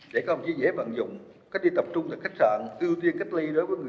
để không dễ dễ bận dụng cách ly tập trung là cách ly